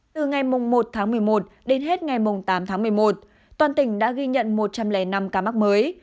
từ ngày một tháng một mươi một đến hết ngày tám tháng một mươi một toàn tỉnh đã ghi nhận một trăm linh năm ca mắc mới